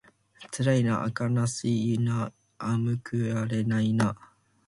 つらいなあかなしいなあむくわれないなあ